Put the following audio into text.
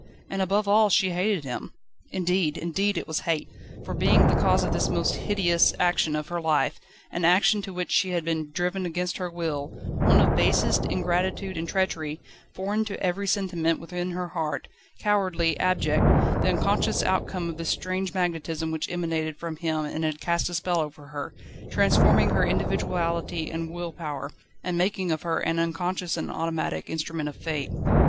And, above all, she hated him indeed, indeed it was hate! for being the cause of this most hideous action of her life: an action to which she had been driven against her will, one of basest ingratitude and treachery, foreign to every sentiment within her heart, cowardly, abject, the unconscious outcome of this strange magnetism which emanated from him and had cast a spell over her, transforming her individuality and will power, and making of her an unconscious and automatic instrument of Fate.